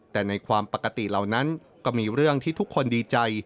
แต่ในความปกติเหล่านั้นก็มีเรื่องที่ทุกคนดีใจ